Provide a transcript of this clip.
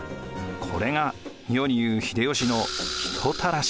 これが世に言う秀吉の人たらしです。